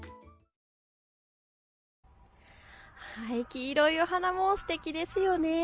黄色いお花もすてきですよね。